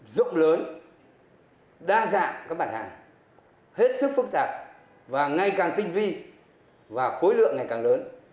rộng lớn đa dạng các bản hàng hết sức phức tạp và ngay càng tinh vi và khối lượng ngày càng lớn